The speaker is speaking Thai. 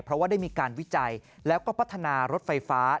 เพราะว่าได้มีการวิจัยแล้วก็พัฒนารถไฟฟ้า